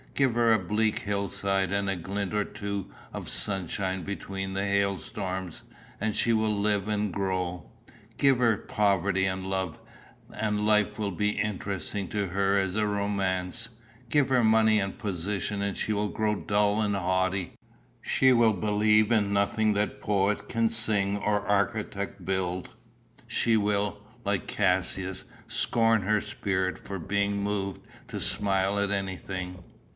Give her a bleak hill side, and a glint or two of sunshine between the hailstorms, and she will live and grow; give her poverty and love, and life will be interesting to her as a romance; give her money and position, and she will grow dull and haughty. She will believe in nothing that poet can sing or architect build. She will, like Cassius, scorn her spirit for being moved to smile at anything."